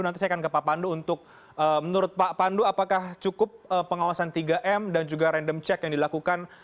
nanti saya akan ke pak pandu untuk menurut pak pandu apakah cukup pengawasan tiga m dan juga random check yang dilakukan